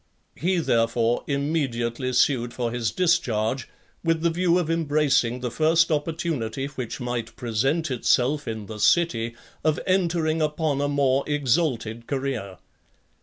He, therefore, immediately sued for his discharge, with the view of embracing the first opportunity, which might present itself in The City, of entering upon a more exalted career.